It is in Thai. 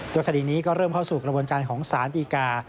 โดยคดีนี้ก็เริ่มเข้าสู่กระบวนการของสารดีกา